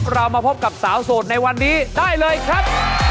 เรามาพบกับสาวโสดในวันนี้ได้เลยครับ